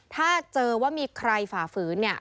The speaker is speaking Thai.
ถ้าเจอว่ามีใครฝ่าฝืนเนี่ย